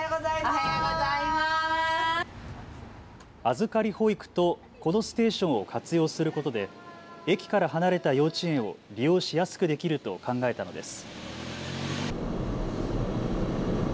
預かり保育とこのステーションを活用することで駅から離れた幼稚園を利用しやすくできると考えたのです。